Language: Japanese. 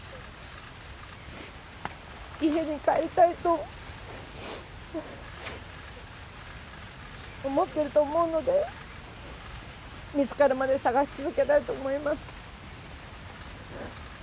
家に帰りたいと思ってると思うので、見つかるまで捜し続けたいと思います。